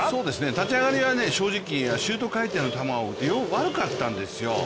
立ち上がりは正直シュート回転の球が多くて悪かったんです。